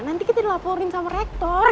nanti kita dilaporin sama rektor